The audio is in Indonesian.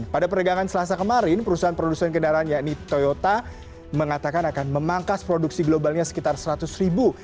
pada peregangan selasa kemarin perusahaan produsen kendaraan yakni toyota mengatakan akan memangkas produksi globalnya sekitar seratus ribu